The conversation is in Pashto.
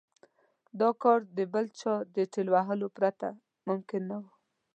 دا کار د بل چا د ټېل وهلو پرته ممکن نه و.